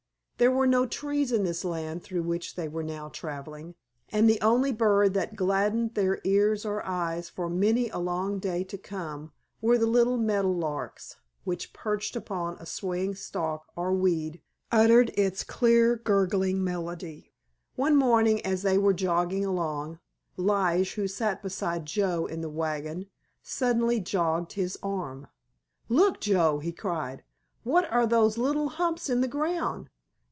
There were no trees in this land through which they were now traveling, and the only bird that gladdened their ears or eyes for many a long day to come were the little meadow larks, which perched upon a swaying stalk or weed uttered its clear, gurgling melody. One morning as they were jogging along, Lige, who sat beside Joe in the wagon, suddenly jogged his arm. "Look, Joe," he cried, "what are all those little humps in the ground?